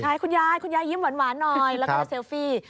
ใช่คุณยายคุณยายยิ้มหวานหน่อยแล้วก็จะเซลฟี่